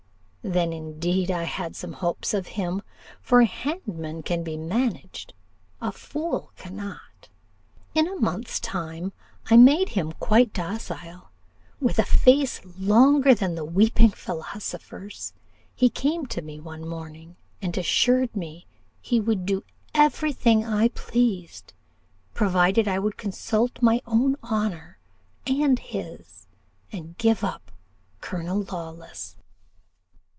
Then indeed I had some hopes of him; for a madman can be managed, a fool cannot. In a month's time I made him quite docile. With a face longer than the weeping philosopher's, he came to me one morning, and assured me, 'he would do every thing I pleased, provided I would consult my own honour and his, and give up Colonel Lawless.